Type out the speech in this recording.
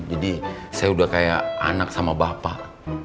jadi saya udah kayak anak sama bapak